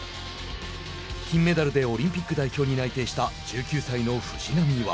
金メダルでオリンピック代表に内定した１９歳の藤波は。